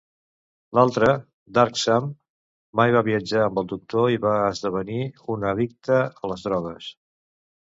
L'altra, "Dark Sam", mai va viatjar amb el Doctor i va esdevenir una addicta a les drogues.